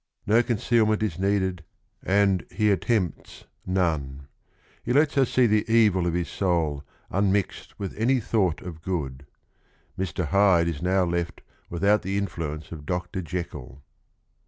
No concealment is needed and he attempts none. He lets us see the evil of his soul unmixed witff"anyTliought of good. Mr. Hyde~is~~how left without the influence of Dr. Jekyll.